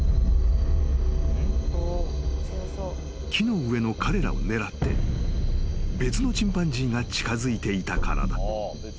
［木の上の彼らを狙って別のチンパンジーが近づいていたからだ］